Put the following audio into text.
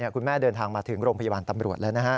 คุณแม่เดินทางมาถึงโรงพยาบาลตำรวจแล้วนะฮะ